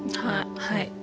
はい。